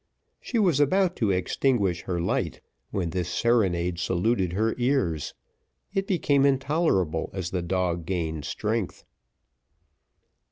She was about to extinguish her light, when this serenade saluted her ears; it became intolerable as the dog gained strength.